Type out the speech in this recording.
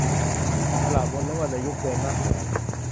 สระบนและวรรณยุกต์เกินมากมาย